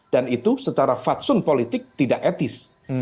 dan itu secara fatsun politik tidak etis